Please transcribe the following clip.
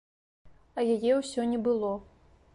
А яе ўсё не было.